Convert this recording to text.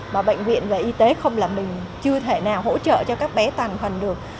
mà bệnh viện về y tế không là mình chưa thể nào hỗ trợ cho các bé tàn phần được